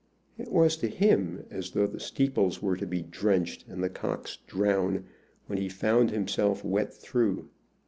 It was to him as though the steeples were to be drenched and the cocks drowned when he found himself wet through.